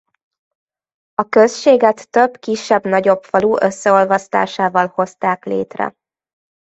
A községet több kisebb-nagyobb falu összeolvasztásával hozták létre.